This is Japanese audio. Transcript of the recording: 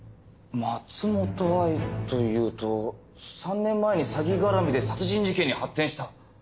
松本藍というと３年前に詐欺がらみで殺人事件に発展した。